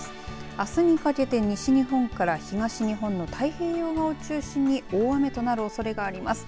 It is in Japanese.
あすにかけて西日本から東日本の太平洋側を中心に大雨となるおそれがあります。